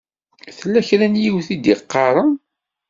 Tella kra n yiwet i d-iɣaṛen.